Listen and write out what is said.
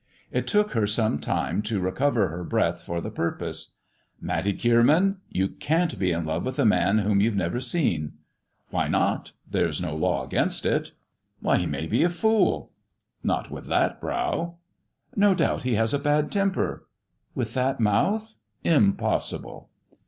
It took her some time to recover her breath for the purpose. "Matty Kierman, you can't be in love with a man whom you've never seen." " Why not 1 There no law against it." " He may be a fool I "" Not with that brow." " No doubt he has a bad temper !"" With that mouth, impossible."